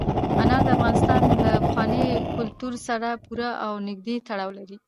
انار د افغانستان له پخواني کلتور سره پوره او نږدې تړاو لري.